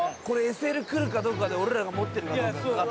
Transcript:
ＳＬ来るかどうかで俺らが持ってるかどうか。